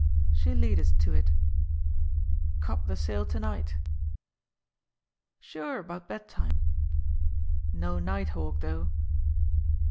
. She'll lead us to it. ... Cop the sale to night. ,.. Sure, about bedtime. ... No night hawk, though.